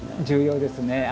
重要ですね。